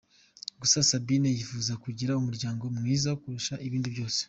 Gusa Sabine yifuza kugira umuryango mwiza kurusha ibindi byose.